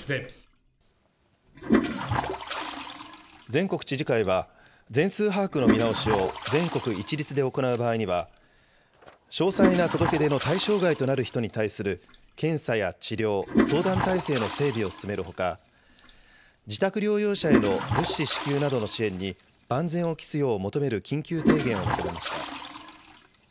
全国知事会は、全数把握の見直しを全国一律で行う場合には、詳細な届け出の対象外となる人に対する検査や治療、相談体制の整備を進めるほか、自宅療養者への物資支給などの支援に万全を期すよう求める緊急提言をまとめました。